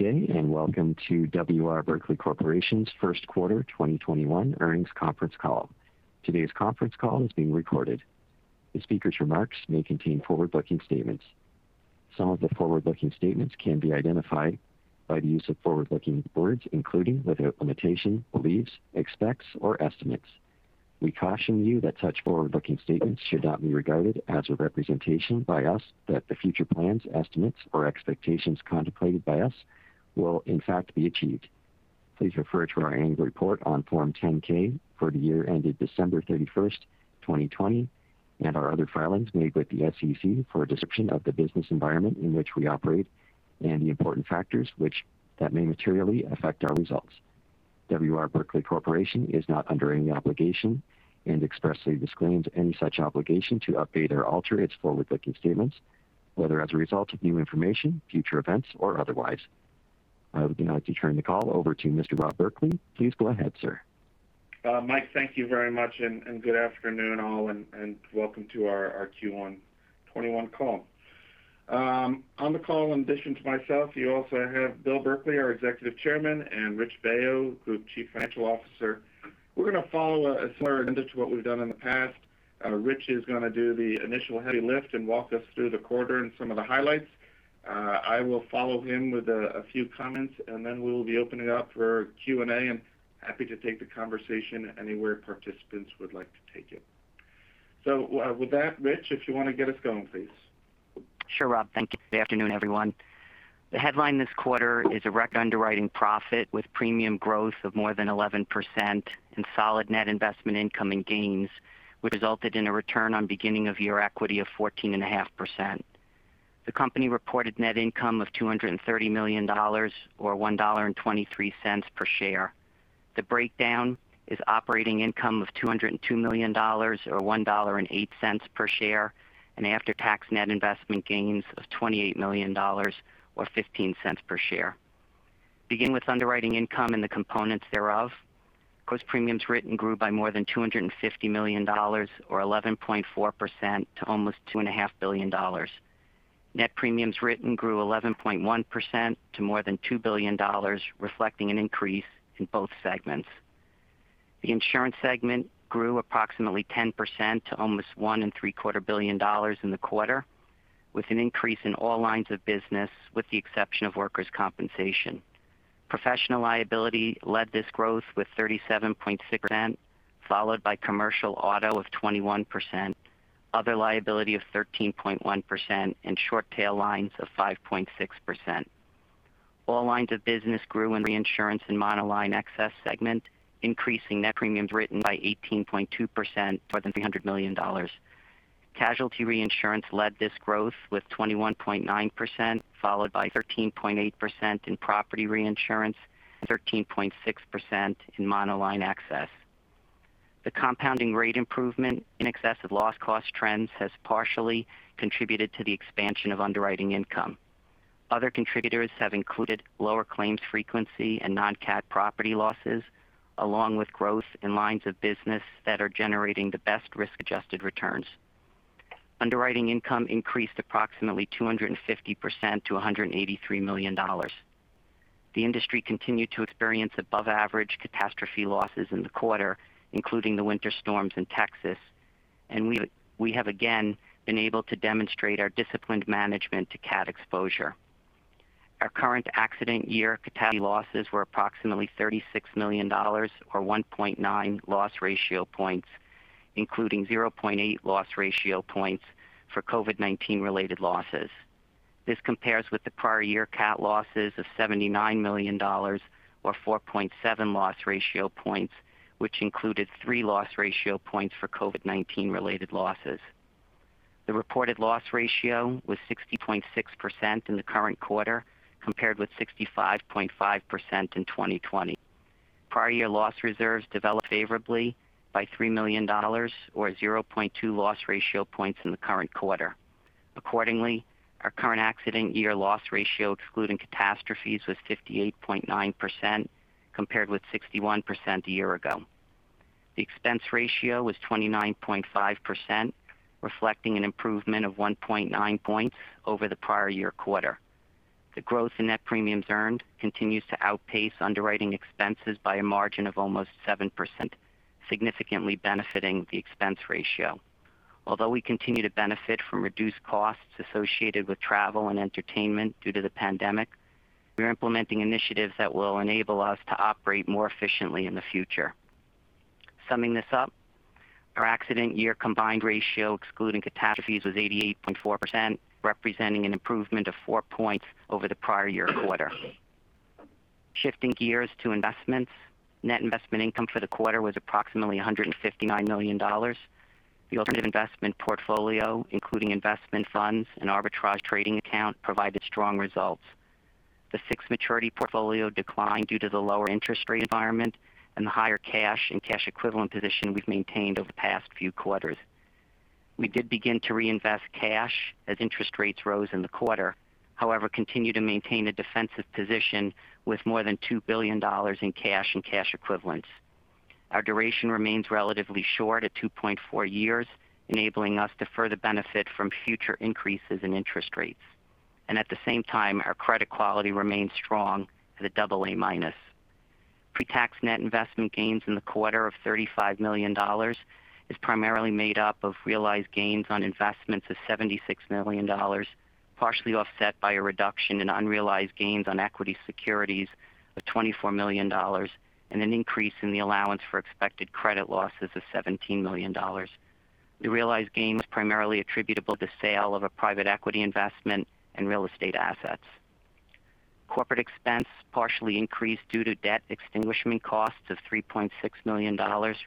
Good day, and welcome to W. R. Berkley Corporation's First Quarter 2021 earnings conference call. Today's conference call is being recorded. The speaker's remarks may contain forward-looking statements. Some of the forward-looking statements can be identified by the use of forward-looking words, including, without limitation, believes, expects or estimates. We caution you that such forward-looking statements should not be regarded as a representation by us that the future plans, estimates, or expectations contemplated by us will in fact be achieved. Please refer to our annual report on Form 10-K for the year ended December 31st, 2020, and our other filings made with the SEC for a description of the business environment in which we operate and the important factors which may materially affect our results. W. R. Berkley Corporation is not under any obligation and expressly disclaims any such obligation to update or alter its forward-looking statements, whether as a result of new information, future events, or otherwise. I would now like to turn the call over to Mr. Rob Berkley. Please go ahead, sir. Mike, thank you very much, and good afternoon all, and welcome to our Q1 2021 call. On the call, in addition to myself, you also have Bill Berkley, our Executive Chairman, and Rich Baio, Group Chief Financial Officer. We're going to follow a similar agenda to what we've done in the past. Rich is going to do the initial heavy lift and walk us through the quarter and some of the highlights. I will follow him with a few comments, and then we'll be opening it up for Q&A. I'm happy to take the conversation anywhere participants would like to take it. with that, Rich, if you want to get us going, please. Sure, Rob. Thank you. Good afternoon, everyone. The headline this quarter is a record underwriting profit with premium growth of more than 11% and solid net investment income and gains, which resulted in a return on beginning of year equity of 14.5%. The company reported net income of $230 million, or $1.23 per share. The breakdown is operating income of $202 million, or $1.08 per share, and after-tax net investment gains of $28 million or $0.15 per share. Beginning with underwriting income and the components thereof, gross premiums written grew by more than $250 million or 11.4% to almost $2.5 billion. Net premiums written grew 11.1% to more than $2 billion, reflecting an increase in both segments. The insurance segment grew approximately 10% to almost $1.75 billion in the quarter, with an increase in all lines of business with the exception of workers' compensation. Professional liability led this growth with 37.6%, followed by commercial auto of 21%, other liability of 13.1%, and short tail lines of 5.6%. All lines of business grew in reinsurance and monoline excess segment, increasing net premiums written by 18.2%, more than $300 million. Casualty reinsurance led this growth with 21.9%, followed by 13.8% in property reinsurance, 13.6% in monoline excess. The compounding rate improvement in excess of loss cost trends has partially contributed to the expansion of underwriting income. Other contributors have included lower claims frequency and non-CAT property losses, along with growth in lines of business that are generating the best risk-adjusted returns. Underwriting income increased approximately 250% to $183 million. The industry continued to experience above average catastrophe losses in the quarter, including the winter storms in Texas, and we have again been able to demonstrate our disciplined management to cat exposure. Our current accident year catastrophe losses were approximately $36 million, or 1.9 loss ratio points, including 0.8 loss ratio points for COVID-19 related losses. This compares with the prior year cat losses of $79 million, or 4.7 loss ratio points, which included three loss ratio points for COVID-19 related losses. The reported loss ratio was 60.6% in the current quarter, compared with 65.5% in 2020. Prior year loss reserves developed favorably by $3 million or 0.2 loss ratio points in the current quarter. Accordingly, our current accident year loss ratio excluding catastrophes was 58.9%, compared with 61% a year ago. The expense ratio was 29.5%, reflecting an improvement of 1.9 points over the prior year quarter. The growth in net premiums earned continues to outpace underwriting expenses by a margin of almost 7%, significantly benefiting the expense ratio. Although we continue to benefit from reduced costs associated with travel and entertainment due to the pandemic, we are implementing initiatives that will enable us to operate more efficiently in the future. Summing this up, our accident year combined ratio excluding catastrophes was 88.4%, representing an improvement of four points over the prior year quarter. Shifting gears to investments, net investment income for the quarter was approximately $159 million. The alternative investment portfolio, including investment funds and arbitrage trading account, provided strong results. The fixed maturity portfolio declined due to the lower interest rate environment and the higher cash and cash equivalent position we've maintained over the past few quarters. We did begin to reinvest cash as interest rates rose in the quarter, however, continue to maintain a defensive position with more than $2 billion in cash and cash equivalents. Our duration remains relatively short at 2.4 years, enabling us to further benefit from future increases in interest rates. At the same time, our credit quality remains strong at an AA-. Pre-tax net investment gains in the quarter of $35 million is primarily made up of realized gains on investments of $76 million, partially offset by a reduction in unrealized gains on equity securities of $24 million and an increase in the allowance for expected credit losses of $17 million. The realized gain was primarily attributable to sale of a private equity investment in real estate assets. Corporate expense partially increased due to debt extinguishment costs of $3.6 million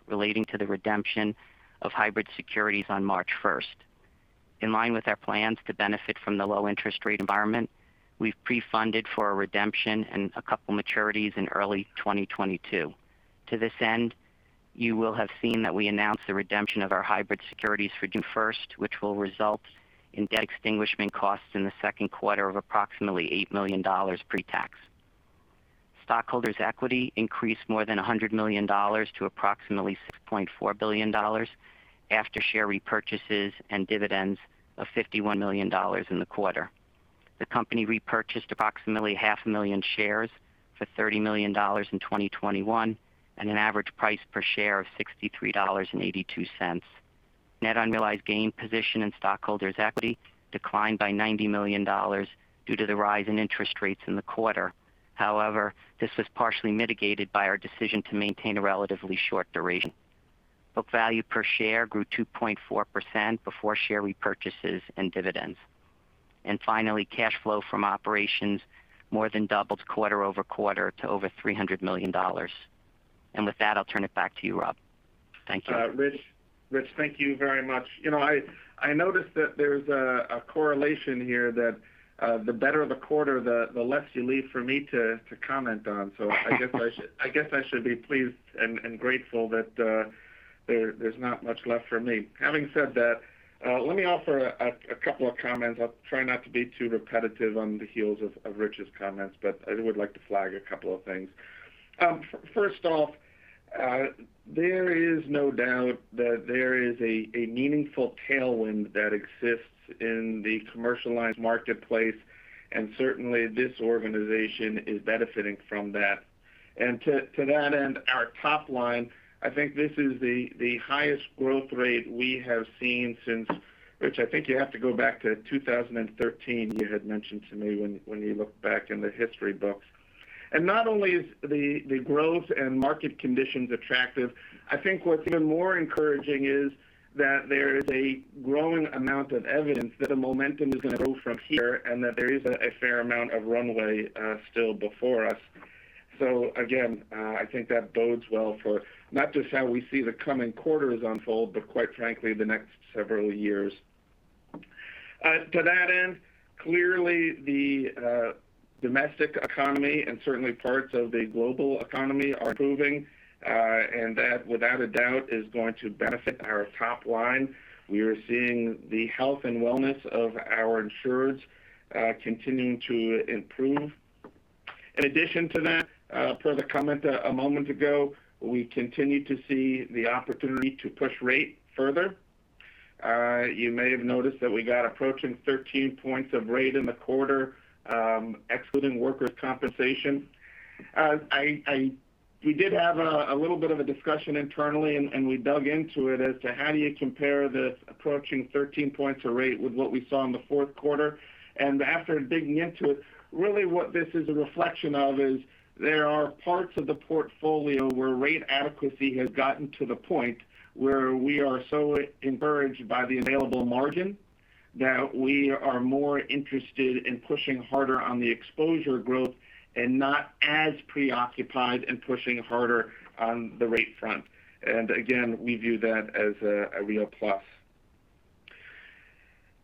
relating to the redemption of hybrid securities on March 1st. In line with our plans to benefit from the low interest rate environment, we've pre-funded for a redemption and a couple maturities in early 2022. To this end, you will have seen that we announced the redemption of our hybrid securities for June 1st, which will result in debt extinguishment costs in the second quarter of approximately $8 million pre-tax. Stockholders' equity increased more than $100 million to approximately $6.4 billion after share repurchases and dividends of $51 million in the quarter. The company repurchased approximately half a million shares for $30 million in 2021 at an average price per share of $63.82. Net unrealized gain position in stockholders' equity declined by $90 million due to the rise in interest rates in the quarter. However, this was partially mitigated by our decision to maintain a relatively short duration. Book value per share grew 2.4% before share repurchases and dividends. Finally, cash flow from operations more than doubled quarter-over-quarter to over $300 million. With that, I'll turn it back to you, Rob. Thank you. Rich, thank you very much. I noticed that there's a correlation here that the better the quarter, the less you leave for me to comment on. I guess I should be pleased and grateful that there's not much left for me. Having said that, let me offer a couple of comments. I'll try not to be too repetitive on the heels of Rich's comments. I would like to flag a couple of things. First off, there is no doubt that there is a meaningful tailwind that exists in the commercial lines marketplace. Certainly this organization is benefiting from that. To that end, our top line, I think this is the highest growth rate we have seen since, Rich, I think you have to go back to 2013, you had mentioned to me when you looked back in the history books. Not only is the growth and market conditions attractive. I think what's even more encouraging is that there is a growing amount of evidence that the momentum is going to grow from here, and that there is a fair amount of runway still before us. Again, I think that bodes well for not just how we see the coming quarters unfold, but quite frankly, the next several years. To that end, clearly the domestic economy and certainly parts of the global economy are improving. That, without a doubt, is going to benefit our top line. We are seeing the health and wellness of our insureds continuing to improve. In addition to that, per the comment a moment ago, we continue to see the opportunity to push rate further. You may have noticed that we got approaching 13 points of rate in the quarter, excluding workers' compensation. We did have a little bit of a discussion internally, and we dug into it as to how do you compare this approaching 13 points of rate with what we saw in the fourth quarter. After digging into it, really what this is a reflection of is there are parts of the portfolio where rate adequacy has gotten to the point where we are so encouraged by the available margin that we are more interested in pushing harder on the exposure growth and not as preoccupied in pushing harder on the rate front. Again, we view that as a real plus.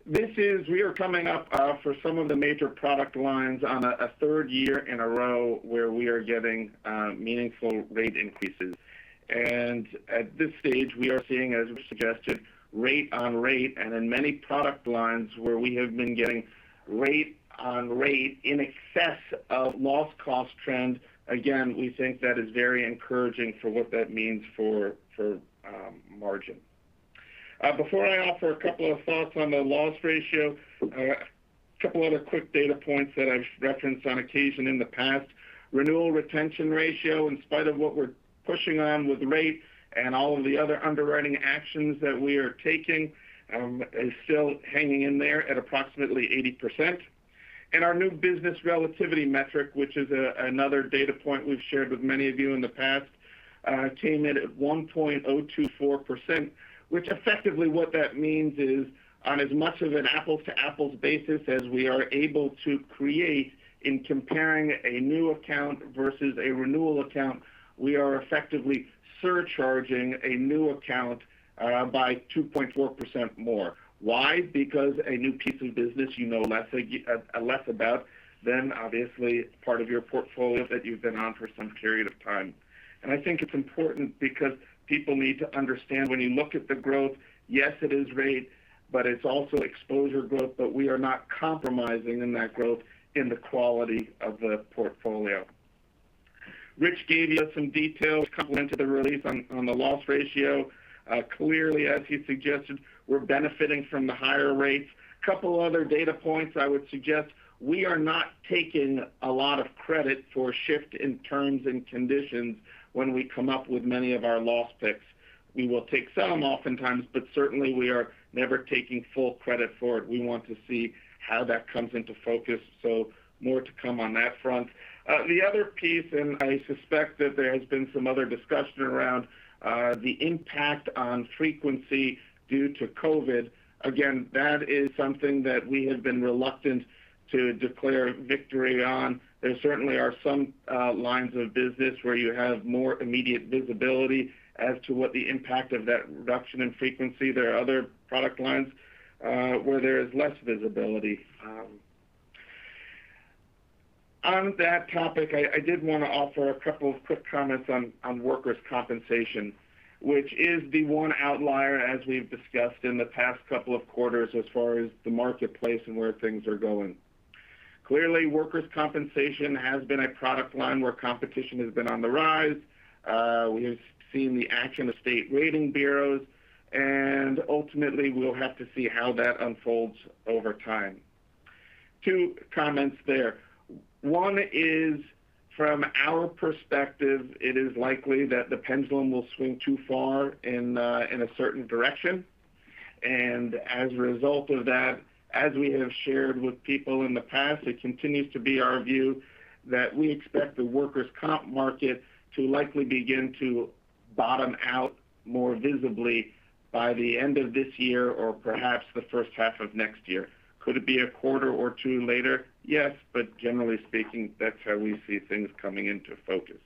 We are coming up for some of the major product lines on a third year in a row where we are getting meaningful rate increases. At this stage, we are seeing, as Rich suggested, rate on rate and in many product lines where we have been getting rate on rate in excess of loss cost trends. We think that is very encouraging for what that means for margin. Before I offer two thoughts on the loss ratio, two other quick data points that I've referenced on occasion in the past. Renewal retention ratio, in spite of what we're pushing on with rates and all of the other underwriting actions that we are taking, is still hanging in there at approximately 80%. Our new business relativity metric, which is another data point we've shared with many of you in the past, came in at 1.024%, which effectively what that means is on as much of an apples to apples basis as we are able to create in comparing a new account versus a renewal account, we are effectively surcharging a new account by 2.4% more. Why? Because a new piece of business you know less about than obviously part of your portfolio that you've been on for some period of time. I think it's important because people need to understand when you look at the growth, yes, it is rate, but it's also exposure growth, but we are not compromising in that growth in the quality of the portfolio. Rich gave you some details complementary to the release on the loss ratio. Clearly, as he suggested, we're benefiting from the higher rates. Couple other data points I would suggest. We are not taking a lot of credit for shift in terms and conditions when we come up with many of our loss picks. We will take some oftentimes, but certainly, we are never taking full credit for it. We want to see how that comes into focus, so more to come on that front. The other piece, and I suspect that there has been some other discussion around the impact on frequency due to COVID. Again, that is something that we have been reluctant to declare victory on. There certainly are some lines of business where you have more immediate visibility as to what the impact of that reduction in frequency. There are other product lines where there is less visibility. On that topic, I did want to offer a couple of quick comments on workers' compensation, which is the one outlier, as we've discussed in the past couple of quarters, as far as the marketplace and where things are going. Clearly, workers' compensation has been a product line where competition has been on the rise. We have seen the action of state rating bureaus, and ultimately, we'll have to see how that unfolds over time. Two comments there. One is, from our perspective, it is likely that the pendulum will swing too far in a certain direction. As a result of that, as we have shared with people in the past, it continues to be our view that we expect the workers' comp market to likely begin to bottom out more visibly by the end of this year or perhaps the first half of next year. Could it be a quarter or two later? Yes, generally speaking, that's how we see things coming into focus.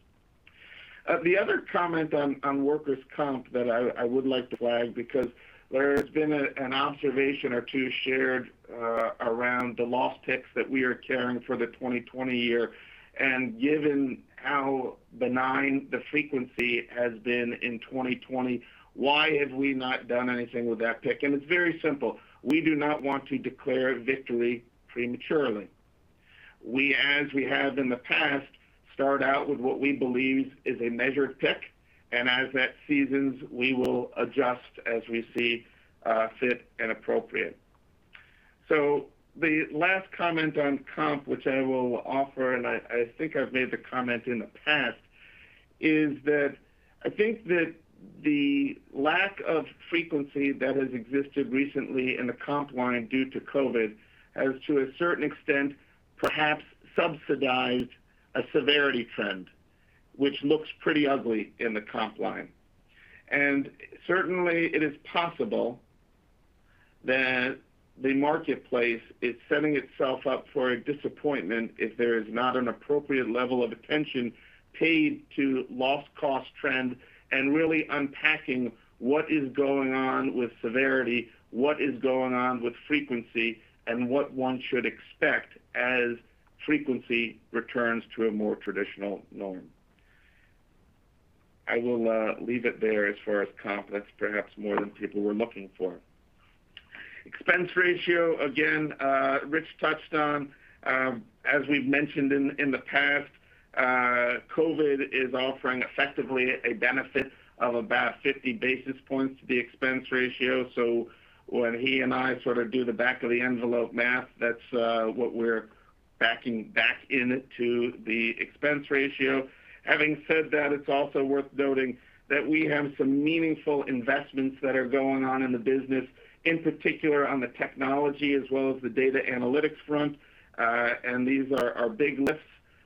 The other comment on workers' comp that I would like to flag because there has been an observation or two shared around the loss picks that we are carrying for the 2020 year, given how benign the frequency has been in 2020, why have we not done anything with that pick? It's very simple. We do not want to declare victory prematurely. We, as we have in the past, start out with what we believe is a measured pick, and as that seasons, we will adjust as we see fit and appropriate. The last comment on comp, which I will offer, and I think I've made the comment in the past, is that I think that the lack of frequency that has existed recently in the comp line due to COVID has, to a certain extent, perhaps subsidized a severity trend, which looks pretty ugly in the comp line. Certainly, it is possible that the marketplace is setting itself up for a disappointment if there is not an appropriate level of attention paid to loss cost trend and really unpacking what is going on with severity, what is going on with frequency, and what one should expect as frequency returns to a more traditional norm. I will leave it there as far as comp. That's perhaps more than people were looking for. Expense ratio, again, Rich touched on. As we've mentioned in the past, COVID is offering effectively a benefit of about 50 basis points to the expense ratio. When he and I do the back-of-the-envelope math, that's what we're backing back in to the expense ratio. Having said that, it's also worth noting that we have some meaningful investments that are going on in the business, in particular on the technology as well as the data analytics front. These are our big lifts,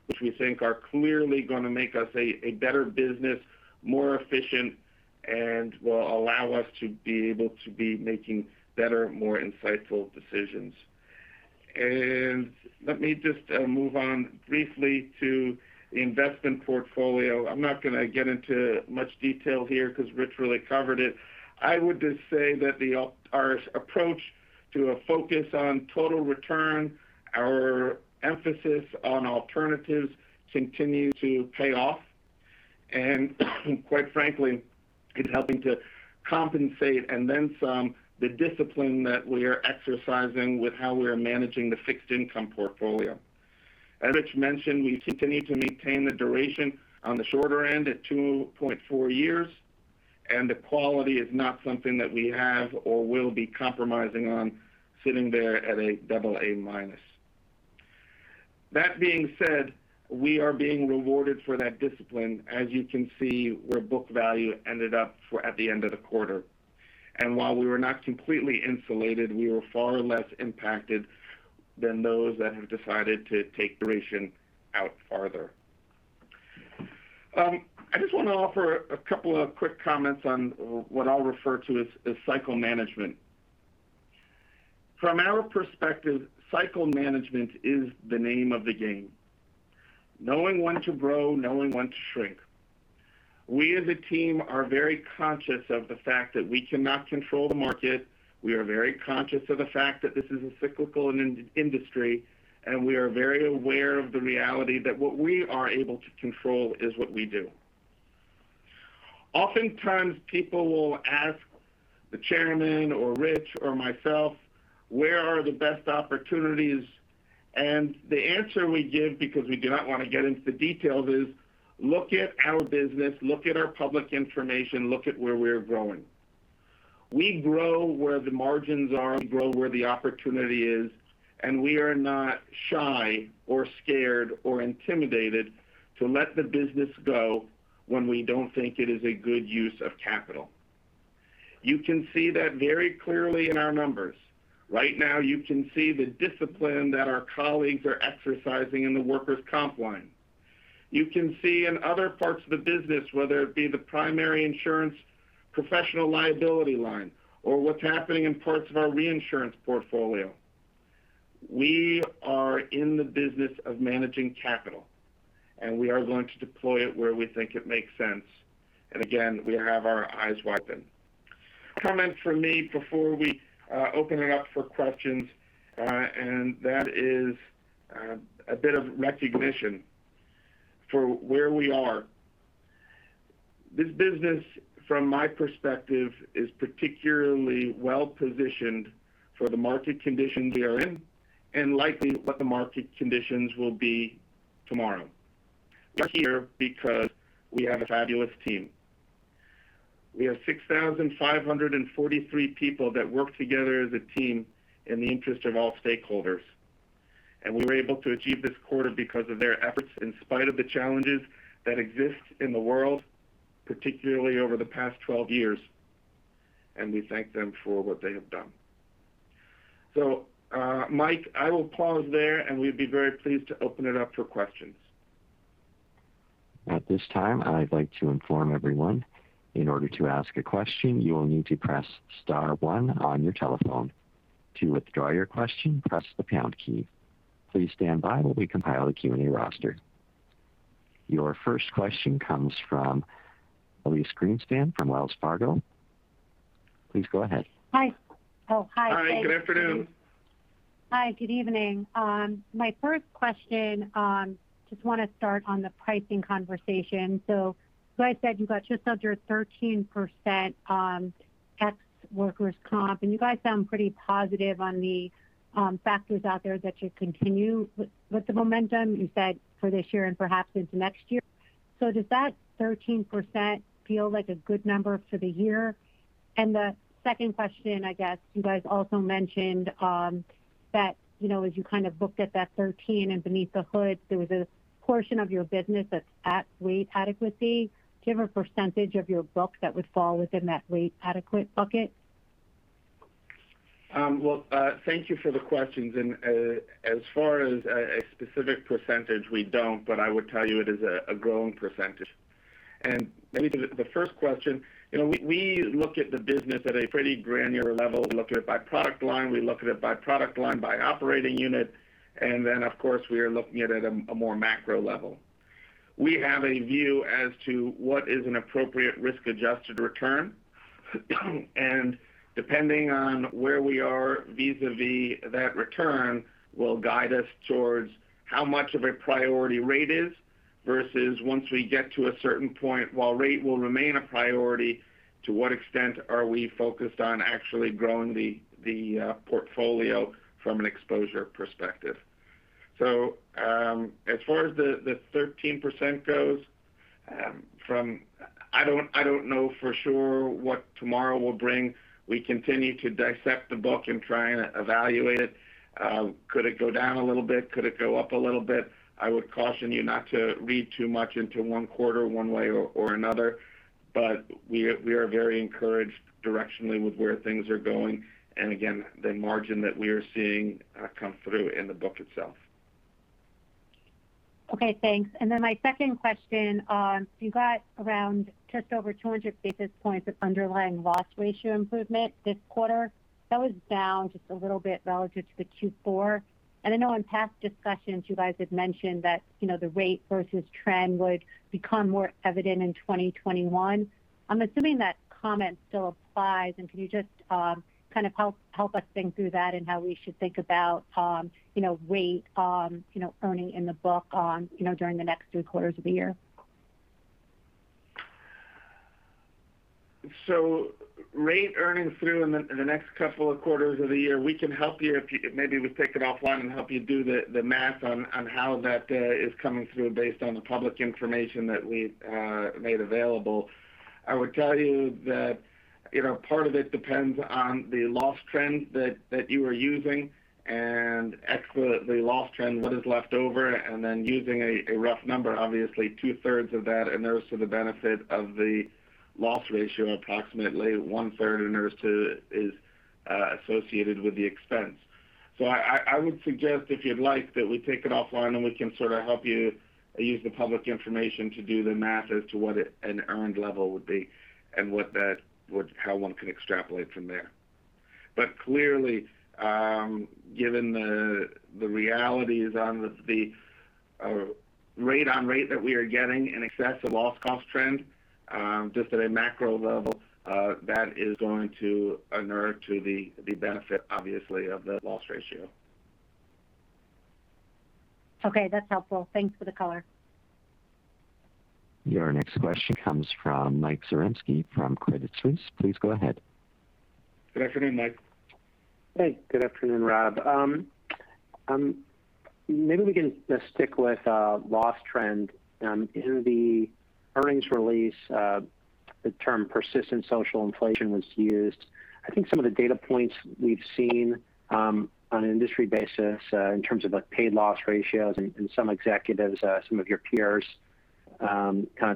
which we think are clearly going to make us a better business, more efficient, and will allow us to be able to be making better, more insightful decisions. Let me just move on briefly to the investment portfolio. I'm not going to get into much detail here because Rich really covered it. I would just say that our approach to a focus on total return, our emphasis on alternatives continue to pay off. quite frankly, it's helping to compensate and then some, the discipline that we are exercising with how we are managing the fixed income portfolio. As Rich mentioned, we continue to maintain the duration on the shorter end at 2.4 years, and the quality is not something that we have or will be compromising on, sitting there at AA-. That being said, we are being rewarded for that discipline, as you can see where book value ended up at the end of the quarter. while we were not completely insulated, we were far less impacted than those that have decided to take duration out farther. I just want to offer a couple of quick comments on what I'll refer to as cycle management. From our perspective, cycle management is the name of the game. Knowing when to grow, knowing when to shrink. We, as a team, are very conscious of the fact that we cannot control the market. We are very conscious of the fact that this is a cyclical industry, and we are very aware of the reality that what we are able to control is what we do. Oftentimes, people will ask the chairman or Rich or myself where are the best opportunities? The answer we give, because we do not want to get into the details, is look at our business, look at our public information, look at where we're growing. We grow where the margins are and grow where the opportunity is, and we are not shy or scared or intimidated to let the business go when we don't think it is a good use of capital. You can see that very clearly in our numbers. Right now, you can see the discipline that our colleagues are exercising in the workers' comp line. You can see in other parts of the business, whether it be the primary insurance professional liability line, or what's happening in parts of our reinsurance portfolio. We are in the business of managing capital, and we are going to deploy it where we think it makes sense. Again, we have our eyes wide open. Comment from me before we open it up for questions, and that is a bit of recognition for where we are. This business, from my perspective, is particularly well-positioned for the market condition we are in, and likely what the market conditions will be tomorrow. We're here because we have a fabulous team. We have 6,543 people that work together as a team in the interest of all stakeholders. We were able to achieve this quarter because of their efforts in spite of the challenges that exist in the world, particularly over the past 12 years, and we thank them for what they have done. Mike, I will pause there, and we'd be very pleased to open it up for questions. At this time, I'd like to inform everyone, in order to ask a question, you will need to press star one on your telephone. To withdraw your question, press the pound key. Please stand by while we compile a Q&A roster. Your first question comes from Elyse Greenspan from Wells Fargo. Please go ahead. Hi. Oh, hi. Hi, good afternoon. Hi, good evening. My first question, just want to start on the pricing conversation. I said you got just under 13% ex workers' comp, and you guys sound pretty positive on the factors out there that should continue with the momentum you said for this year and perhaps into next year. Does that 13% feel like a good number for the year? The second question, I guess you guys also mentioned that as you kind of looked at that 13 and beneath the hood, there was a portion of your business that's at rate adequacy. Do you have a percentage of your book that would fall within that rate adequate bucket? Well, thank you for the questions. As far as a specific percentage, we don't, but I would tell you it is a growing percentage. Maybe to the first question, we look at the business at a pretty granular level. We look at it by product line, we look at it by product line by operating unit, and then of course, we are looking at it at a more macro level. We have a view as to what is an appropriate risk-adjusted return and depending on where we are vis-a-vis that return will guide us towards how much of a priority rate is, versus once we get to a certain point, while rate will remain a priority, to what extent are we focused on actually growing the portfolio from an exposure perspective. As far as the 13% goes, I don't know for sure what tomorrow will bring. We continue to dissect the book and try and evaluate it. Could it go down a little bit? Could it go up a little bit? I would caution you not to read too much into one quarter one way or another. We are very encouraged directionally with where things are going, and again, the margin that we are seeing come through in the book itself. Okay, thanks. Then my second question, you got around just over 200 basis points of underlying loss ratio improvement this quarter. That was down just a little bit relative to the Q4. I know in past discussions you guys had mentioned that the rate versus trend would become more evident in 2021. I'm assuming that comment still applies, and can you just kind of help us think through that and how we should think about rate earning in the book during the next three quarters of the year? rate earnings through in the next couple of quarters of the year, we can help you if maybe we take it offline and help you do the math on how that is coming through based on the public information that we've made available. I would tell you that part of it depends on the loss trend that you are using and ex the loss trend, what is left over, and then using a rough number, obviously 2/3 of that inures to the benefit of the loss ratio, approximately 1/3 inures to is associated with the expense. I would suggest if you'd like that we take it offline, and we can sort of help you use the public information to do the math as to what an earned level would be and how one can extrapolate from there. clearly, given the realities on the rate on rate that we are getting in excess of loss cost trend, just at a macro level, that is going to inure to the benefit, obviously, of the loss ratio. Okay, that's helpful. Thanks for the color. Your next question comes from Mike Zaremski from Credit Suisse. Please go ahead. Good afternoon, Mike. Hey. Good afternoon, Rob. Maybe we can just stick with loss trend. In the earnings release, the term persistent social inflation was used. I think some of the data points we've seen on an industry basis in terms of paid loss ratios and some executives, some of your peers,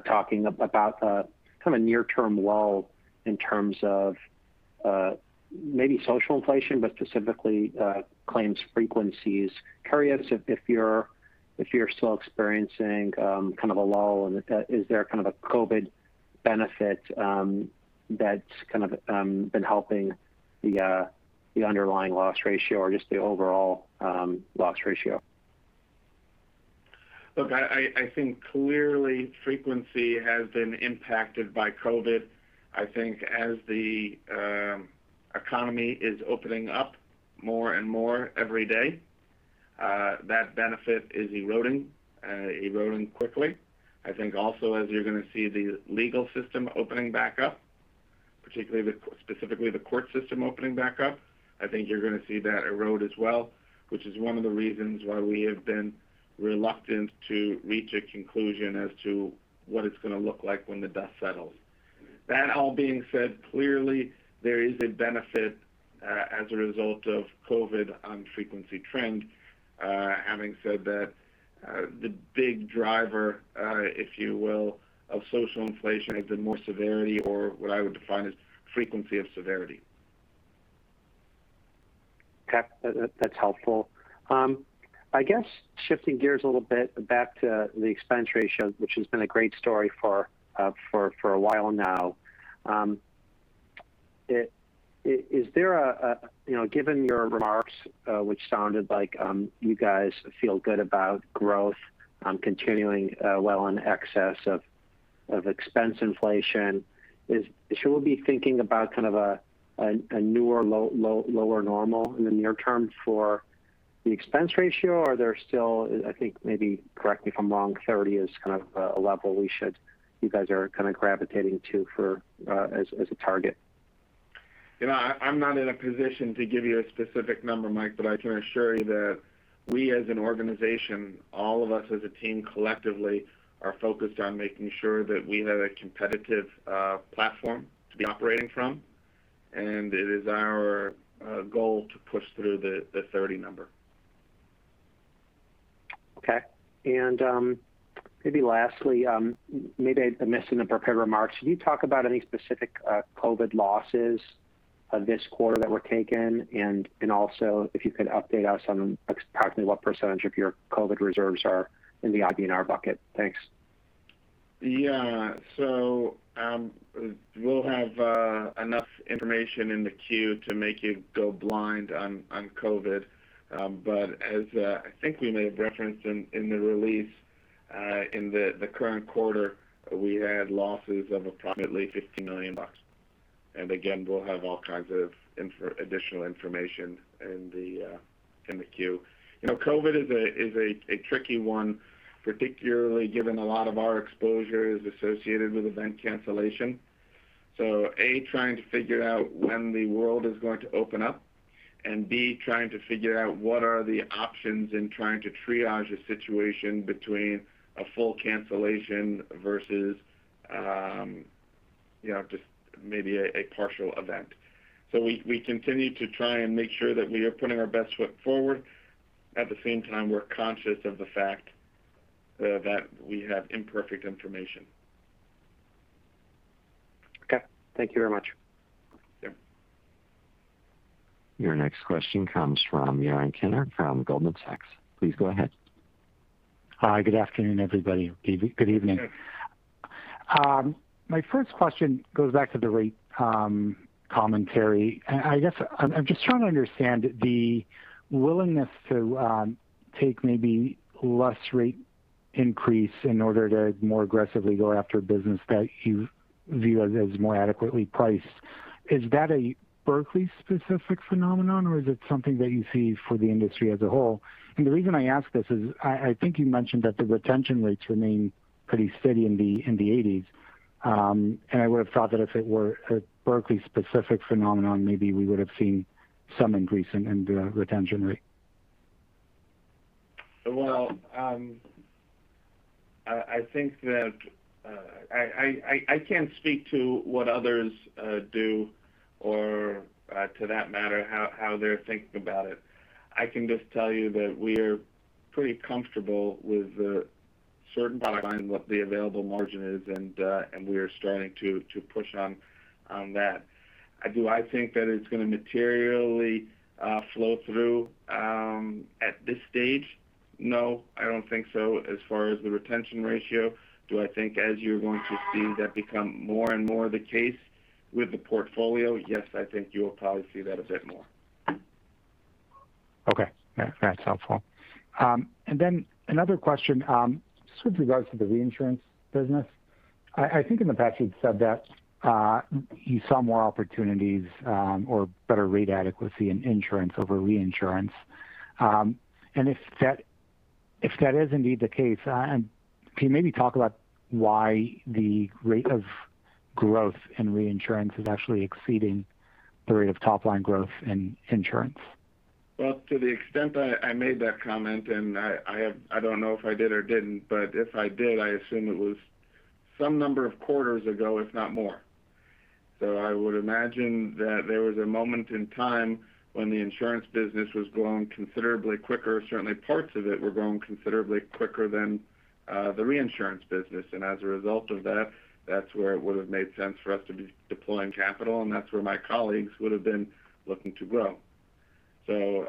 talking about a near-term lull in terms of maybe social inflation, but specifically claims frequencies. Curious if you're still experiencing a lull, and is there a COVID benefit that's been helping the underlying loss ratio or just the overall loss ratio? Look, I think clearly frequency has been impacted by COVID. I think as the economy is opening up more and more every day, that benefit is eroding quickly. I think also as you're going to see the legal system opening back up, specifically the court system opening back up, I think you're going to see that erode as well, which is one of the reasons why we have been reluctant to reach a conclusion as to what it's going to look like when the dust settles. That all being said, clearly there is a benefit as a result of COVID on frequency trend. Having said that, the big driver, if you will, of social inflation has been more severity, or what I would define as frequency of severity. Okay. That's helpful. I guess shifting gears a little bit back to the expense ratio, which has been a great story for a while now. Given your remarks, which sounded like you guys feel good about growth continuing well in excess of expense inflation, should we be thinking about a newer, lower normal in the near term for the expense ratio? There's still, I think maybe correct me if I'm wrong, 30 is a level you guys are gravitating to as a target. I'm not in a position to give you a specific number, Mike, but I can assure you that we as an organization, all of us as a team collectively, are focused on making sure that we have a competitive platform to be operating from, and it is our goal to push through the 30 number. Okay. Maybe lastly, maybe I missed it in the prepared remarks. Can you talk about any specific COVID losses this quarter that were taken? Also, if you could update us on approximately what percentage of your COVID reserves are in the IBNR bucket. Thanks. Yeah. We'll have enough information in the Q to make you go blind on COVID. As I think we may have referenced in the release, in the current quarter, we had losses of approximately $15 million. Again, we'll have all kinds of additional information in the Q. COVID is a tricky one, particularly given a lot of our exposure is associated with event cancellation. A, trying to figure out when the world is going to open up, and B, trying to figure out what are the options in trying to triage a situation between a full cancellation versus just maybe a partial event. We continue to try and make sure that we are putting our best foot forward. At the same time, we're conscious of the fact that we have imperfect information. Okay. Thank you very much. Sure. Your next question comes from Yaron Kinar from Goldman Sachs. Please go ahead. Hi, good afternoon, everybody. Good evening. Good evening. My first question goes back to the rate commentary. I guess I'm just trying to understand the willingness to take maybe less rate increase in order to more aggressively go after business that you view as more adequately priced. Is that a Berkley-specific phenomenon, or is it something that you see for the industry as a whole? The reason I ask this is I think you mentioned that the retention rates remain pretty steady in the 80s. I would have thought that if it were a Berkley-specific phenomenon, maybe we would have seen some increase in the retention rate. Well, I can't speak to what others do or to that matter, how they're thinking about it. I can just tell you that we're pretty comfortable with a certain bottom line, what the available margin is, and we are starting to push on that. Do I think that it's going to materially flow through at this stage? No, I don't think so as far as the retention ratio. Do I think as you're going to see that become more and more the case with the portfolio? Yes, I think you'll probably see that a bit more. Okay. That's helpful. another question, just with regards to the reinsurance business I think in the past you've said that you saw more opportunities or better rate adequacy in insurance over reinsurance. if that is indeed the case, can you maybe talk about why the rate of growth in reinsurance is actually exceeding the rate of top-line growth in insurance? Well, to the extent I made that comment, and I don't know if I did or didn't, but if I did, I assume it was some number of quarters ago, if not more. I would imagine that there was a moment in time when the insurance business was growing considerably quicker. Certainly, parts of it were growing considerably quicker than the reinsurance business. As a result of that's where it would've made sense for us to be deploying capital, and that's where my colleagues would've been looking to grow.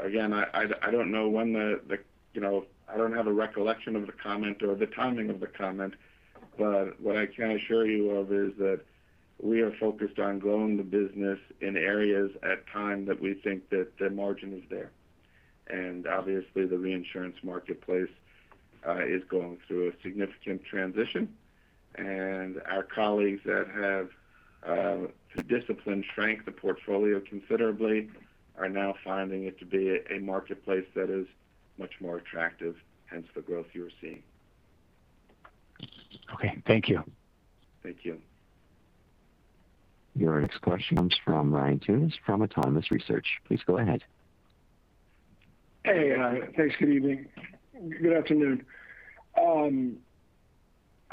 Again, I don't have a recollection of the comment or the timing of the comment, but what I can assure you of is that we are focused on growing the business in areas at time that we think that the margin is there. Obviously, the reinsurance marketplace is going through a significant transition. our colleagues that have, through discipline, shrank the portfolio considerably are now finding it to be a marketplace that is much more attractive, hence the growth you are seeing. Okay. Thank you. Thank you. Your next question comes from Ryan Tunis from Autonomous Research. Please go ahead. Hey. Thanks. Good evening. Good afternoon.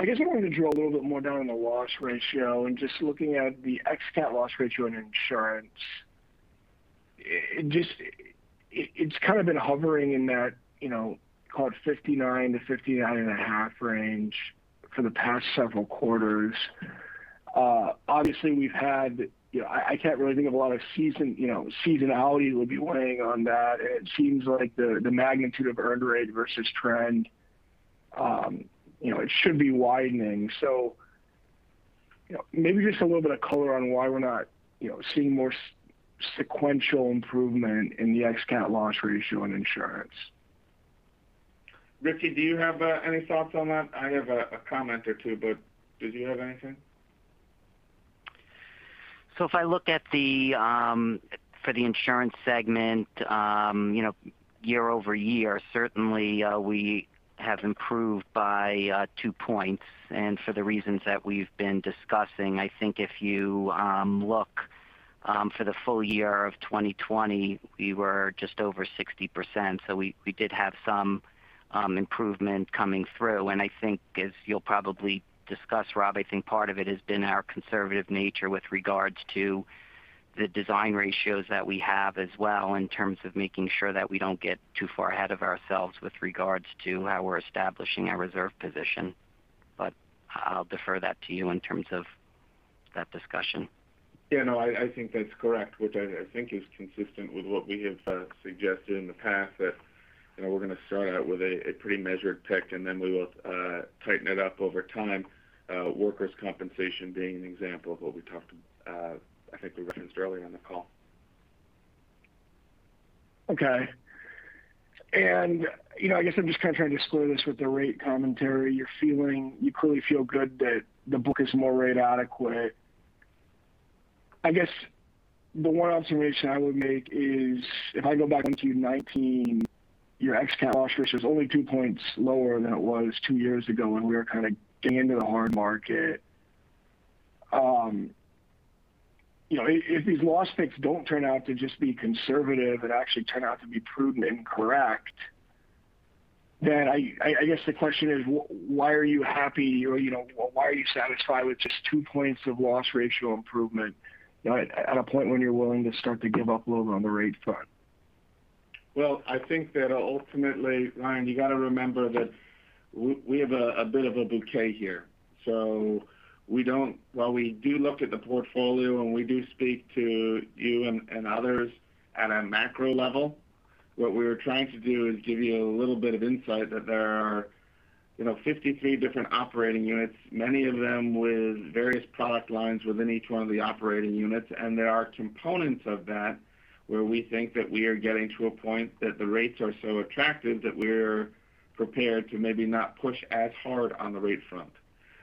I guess I wanted to drill a little bit more down in the loss ratio and just looking at the ex cat loss ratio in insurance. It's kind of been hovering in that, call it 59-59.5 range for the past several quarters. Obviously, I can't really think of a lot of seasonality will be weighing on that. It seems like the magnitude of earned rate versus trend, it should be widening. Maybe just a little bit of color on why we're not seeing more sequential improvement in the ex-cat loss ratio in insurance. Rich, do you have any thoughts on that? I have a comment or two, but did you have anything? If I look for the insurance segment, year-over-year, certainly, we have improved by two points. For the reasons that we've been discussing, I think if you look for the full year of 2020, we were just over 60%. We did have some improvement coming through, and I think as you'll probably discuss, Rob, I think part of it has been our conservative nature with regards to the design ratios that we have as well in terms of making sure that we don't get too far ahead of ourselves with regards to how we're establishing our reserve position. I'll defer that to you in terms of that discussion. Yeah, no, I think that's correct, which I think is consistent with what we have suggested in the past that we're going to start out with a pretty measured pick, and then we will tighten it up over time. Workers' compensation being an example of what I think we referenced earlier on the call. Okay. I guess I'm just trying to square this with the rate commentary you're feeling. You clearly feel good that the book is more rate adequate. I guess the one observation I would make is if I go back into 2019, your ex-cat loss ratio's only two points lower than it was two years ago when we were kind of getting into the hard market. If these loss picks don't turn out to just be conservative and actually turn out to be prudent and correct, then I guess the question is, why are you happy? Why are you satisfied with just two points of loss ratio improvement, at a point when you're willing to start to give up a little on the rate front? Well, I think that ultimately, Ryan, you got to remember that we have a bit of a bouquet here. while we do look at the portfolio and we do speak to you and others at a macro level, what we were trying to do is give you a little bit of insight that there are 53 different operating units, many of them with various product lines within each one of the operating units. there are components of that where we think that we are getting to a point that the rates are so attractive that we're prepared to maybe not push as hard on the rate front.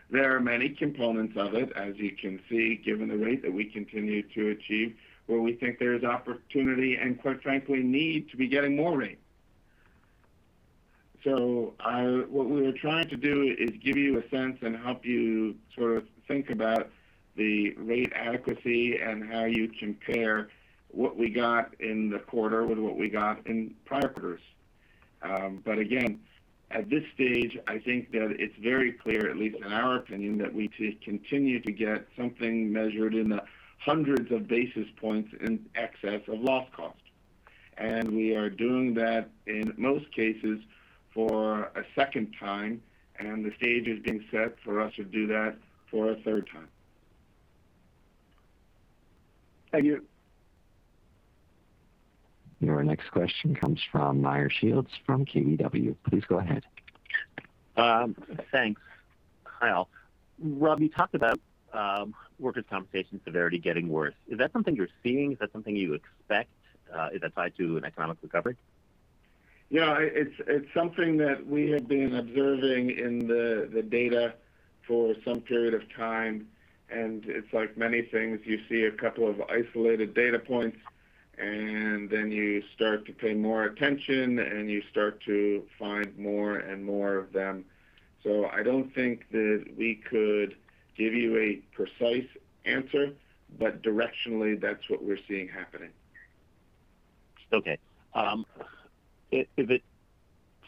There are many components of it, as you can see, given the rate that we continue to achieve, where we think there is opportunity, and quite frankly, need to be getting more rate. What we were trying to do is give you a sense and help you sort of think about the rate adequacy and how you compare what we got in the quarter with what we got in prior quarters. Again, at this stage, I think that it's very clear, at least in our opinion, that we continue to get something measured in the hundreds of basis points in excess of loss cost. We are doing that in most cases for a second time, and the stage is being set for us to do that for a third time. Thank you. Your next question comes from Meyer Shields from KBW. Please go ahead. Thanks, Kyle. Rob, you talked about workers' compensation severity getting worse. Is that something you're seeing? Is that something you expect? Is that tied to an economic recovery? Yeah. It's something that we have been observing in the data for some period of time, and it's like many things, you see a couple of isolated data points, and then you start to pay more attention, and you start to find more and more of them. I don't think that we could give you a precise answer, but directionally, that's what we're seeing happening. Okay. Is it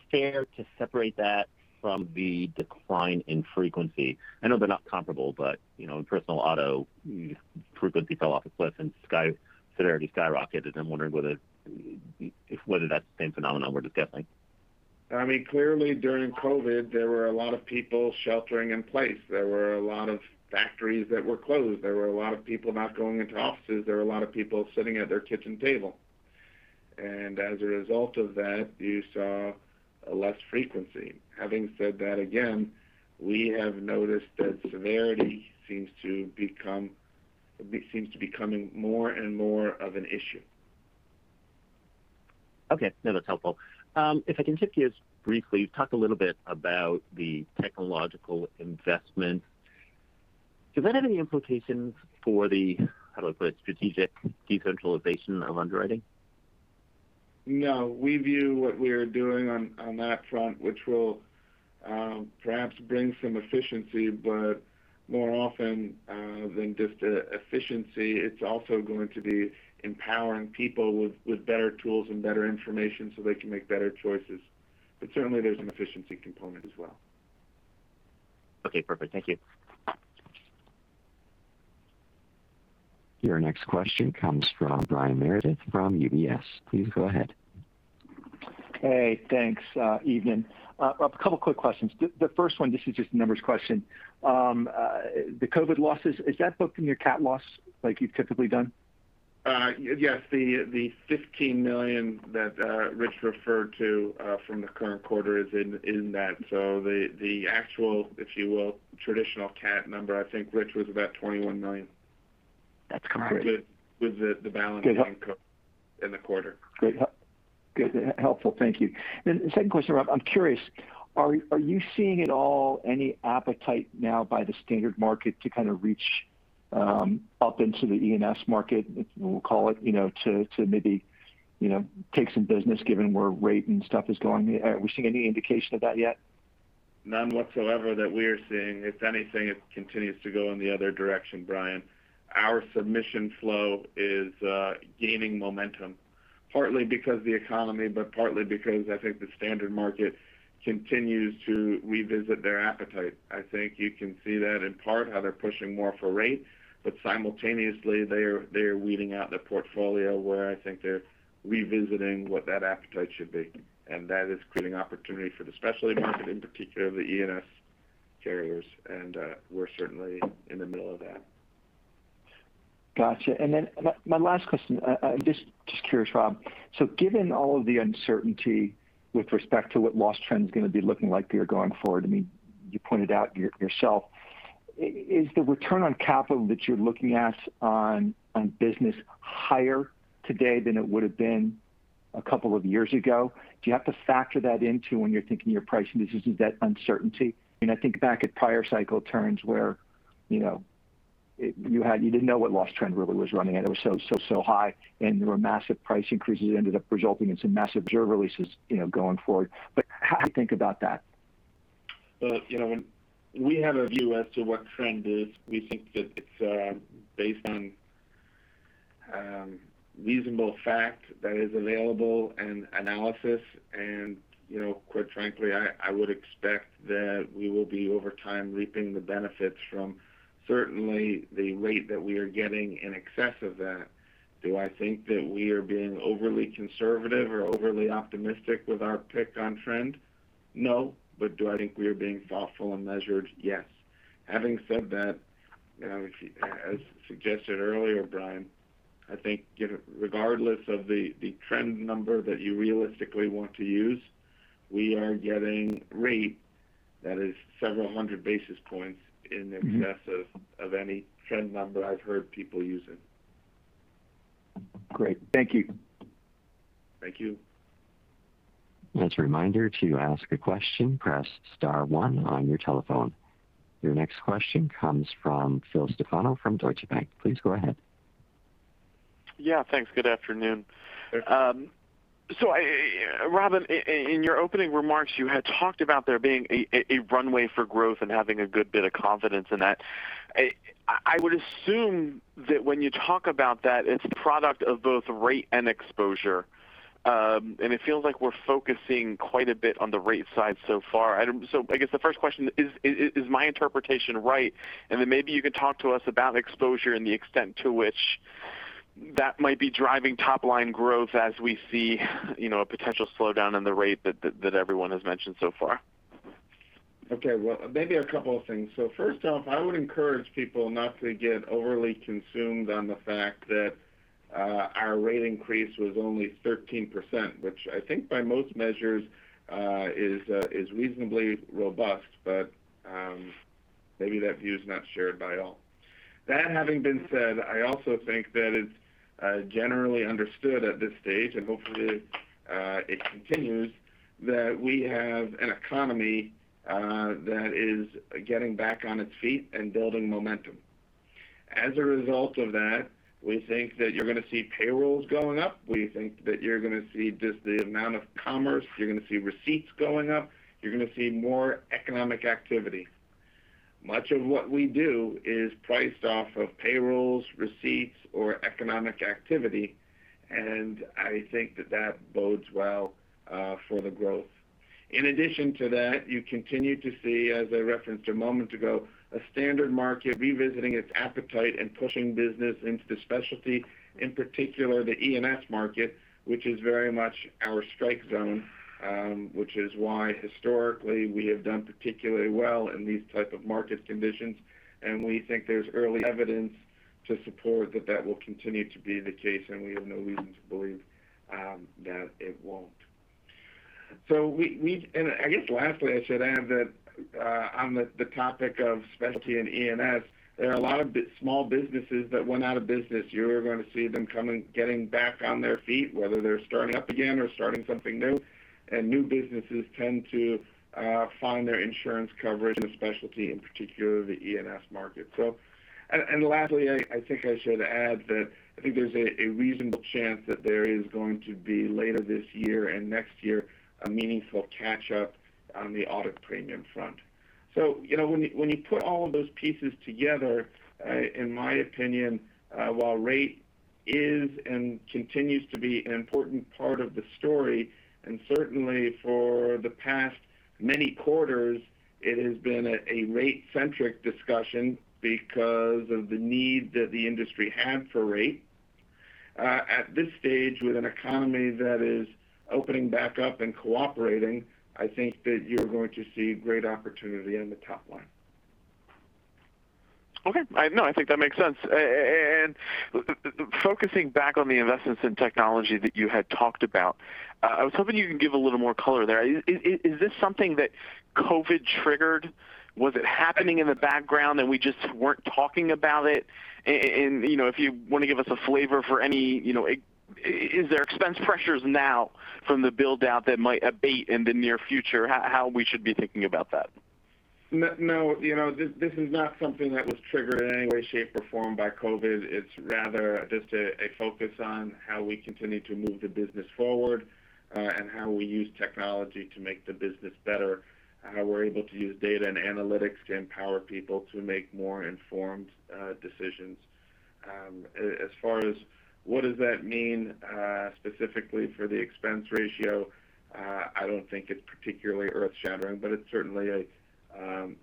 fair to separate that from the decline in frequency? I know they're not comparable, but personal auto frequency fell off a cliff and severity skyrocketed. I'm wondering whether that's the same phenomenon we're just getting. Clearly during COVID, there were a lot of people sheltering in place. There were a lot of factories that were closed. There were a lot of people not going into offices. There were a lot of people sitting at their kitchen table. As a result of that, you saw less frequency. Having said that, again, we have noticed that severity seems to becoming more and more of an issue. Okay. No, that's helpful. If I can shift gears briefly, talk a little bit about the technological investment. Does that have any implications for the, how do I put it, strategic decentralization of underwriting? No. We view what we are doing on that front, which will perhaps bring some efficiency, but more often than just efficiency, it's also going to be empowering people with better tools and better information so they can make better choices. Certainly there's an efficiency component as well. Okay, perfect. Thank you. Your next question comes from Brian Meredith from UBS. Please go ahead. Hey, thanks. Evening. A couple quick questions. The first one, this is just a numbers question. The COVID losses, is that booked in your cat loss like you've typically done? Yes. The $15 million that Rich referred to from the current quarter is in that. The actual, if you will, traditional cat number, I think, Rich, was about $21 million. That's concrete. With the balance- Good in the quarter. Good. Helpful. Thank you. Second question, Rob, I'm curious, are you seeing at all any appetite now by the standard market to reach up into the E&S market, we'll call it, to maybe take some business given where rate and stuff is going? Are we seeing any indication of that yet? None whatsoever that we are seeing. If anything, it continues to go in the other direction, Brian. Our submission flow is gaining momentum, partly because the economy, but partly because I think the standard market continues to revisit their appetite. I think you can see that in part how they're pushing more for rate, but simultaneously they're weeding out their portfolio where I think they're revisiting what that appetite should be. That is creating opportunity for the specialty market, in particular the E&S carriers. We're certainly in the middle of that. Got you. My last question, I'm just curious, Rob. Given all of the uncertainty with respect to what loss trend's going to be looking like here going forward, you pointed out yourself, is the return on capital that you're looking at on business higher today than it would've been a couple of years ago? Do you have to factor that into when you're thinking your pricing decisions, that uncertainty? I think back at prior cycle turns where you didn't know what loss trend really was running at. It was so high, and there were massive price increases, ended up resulting in some massive reserve releases going forward. How do you think about that? We have a view as to what trend is. We think that it's based on reasonable fact that is available and analysis, and quite frankly, I would expect that we will be, over time, reaping the benefits from certainly the rate that we are getting in excess of that. Do I think that we are being overly conservative or overly optimistic with our pick on trend? No. Do I think we are being thoughtful and measured? Yes. Having said that, as suggested earlier, Brian, I think regardless of the trend number that you realistically want to use, we are getting rate that is several hundred basis points in excess of any trend number I've heard people using. Great. Thank you. Thank you. As a reminder, to ask a question, press star one on your telephone. Your next question comes from Phil Stefano from Deutsche Bank. Please go ahead. Yeah. Thanks. Good afternoon. Good afternoon. Rob, in your opening remarks, you had talked about there being a runway for growth and having a good bit of confidence in that. I would assume that when you talk about that, it's a product of both rate and exposure, and it feels like we're focusing quite a bit on the rate side so far. I guess the first question, is my interpretation right? Maybe you could talk to us about exposure and the extent to which that might be driving top-line growth as we see a potential slowdown in the rate that everyone has mentioned so far. Okay. Well, maybe a couple of things. First off, I would encourage people not to get overly consumed on the fact that our rate increase was only 13%, which I think by most measures is reasonably robust. Maybe that view is not shared by all. That having been said, I also think that it's generally understood at this stage, and hopefully it continues, that we have an economy that is getting back on its feet and building momentum. As a result of that, we think that you're going to see payrolls going up. We think that you're going to see just the amount of commerce, you're going to see receipts going up. You're going to see more economic activity. Much of what we do is priced off of payrolls, receipts, or economic activity, and I think that that bodes well for the growth. In addition to that, you continue to see, as I referenced a moment ago, a standard market revisiting its appetite and pushing business into specialty, in particular the E&S market, which is very much our strike zone, which is why historically we have done particularly well in these type of market conditions, and we think there's early evidence to support that that will continue to be the case, and we have no reason to believe that it won't. I guess lastly, I should add that on the topic of specialty and E&S, there are a lot of small businesses that went out of business. You're going to see them getting back on their feet, whether they're starting up again or starting something new. And new businesses tend to find their insurance coverage in the specialty, in particular the E&S market. Lastly, I think I should add that I think there's a reasonable chance that there is going to be, later this year and next year, a meaningful catch-up on the audit premium front. When you put all of those pieces together, in my opinion, while rate is and continues to be an important part of the story, and certainly for the past many quarters, it has been a rate-centric discussion because of the need that the industry had for rate. At this stage with an economy that is opening back up and cooperating, I think that you're going to see great opportunity in the top line. Okay. No, I think that makes sense. Focusing back on the investments in technology that you had talked about, I was hoping you can give a little more color there. Is this something that COVID triggered? Was it happening in the background and we just weren't talking about it? If you want to give us a flavor for any, is there expense pressures now from the build-out that might abate in the near future? How we should be thinking about that? No, this is not something that was triggered in any way, shape, or form by COVID. It's rather just a focus on how we continue to move the business forward, and how we use technology to make the business better, how we're able to use data and analytics to empower people to make more informed decisions. As far as what does that mean specifically for the expense ratio, I don't think it's particularly earth-shattering, but it's certainly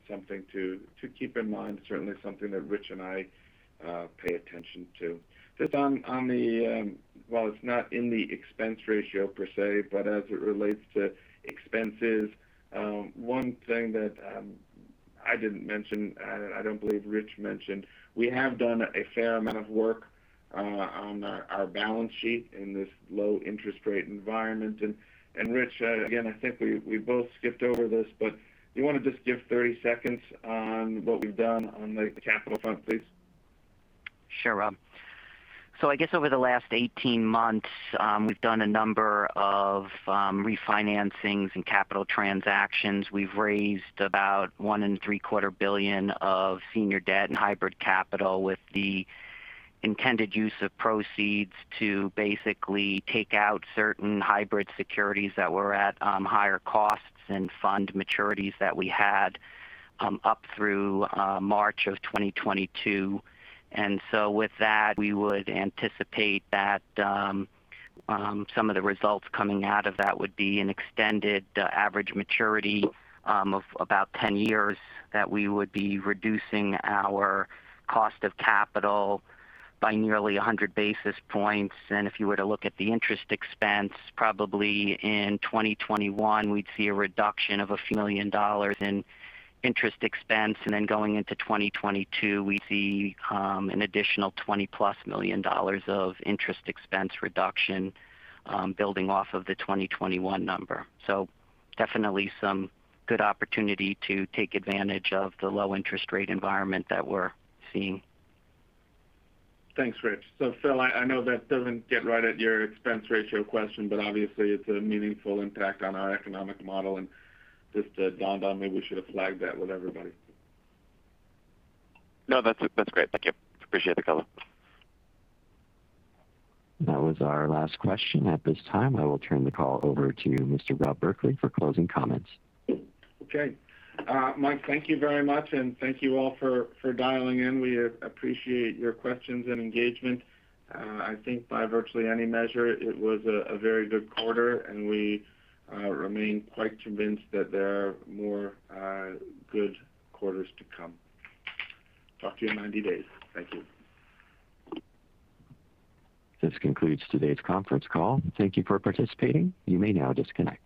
something to keep in mind, certainly something that Rich and I pay attention to. While it's not in the expense ratio per se, but as it relates to expenses, one thing that I didn't mention, and I don't believe Rich mentioned, we have done a fair amount of work on our balance sheet in this low interest rate environment. Rich, again, I think we both skipped over this, but you want to just give 30 seconds on what we've done on the capital front, please? Sure, Rob. I guess over the last 18 months, we've done a number of refinancings and capital transactions. We've raised about $1.75 billion of senior debt and hybrid capital with the intended use of proceeds to basically take out certain hybrid securities that were at higher costs and fund maturities that we had up through March of 2022. With that, we would anticipate that some of the results coming out of that would be an extended average maturity of about 10 years, that we would be reducing our cost of capital by nearly 100 basis points. If you were to look at the interest expense, probably in 2021, we'd see a reduction of a few million dollars in interest expense, and then going into 2022, we'd see an additional 20+ million dollars of interest expense reduction building off of the 2021 number. Definitely some good opportunity to take advantage of the low interest rate environment that we're seeing. Thanks, Rich. Phil, I know that doesn't get right at your expense ratio question, but obviously it's a meaningful impact on our economic model. just dawned on me, we should have flagged that with everybody. No, that's great. Thank you. Appreciate the color. That was our last question. At this time, I will turn the call over to Mr. Rob Berkley for closing comments. Okay. Mike, thank you very much, and thank you all for dialing in. We appreciate your questions and engagement. I think by virtually any measure, it was a very good quarter, and we remain quite convinced that there are more good quarters to come. Talk to you in 90 days. Thank you. This concludes today's conference call. Thank you for participating. You may now disconnect.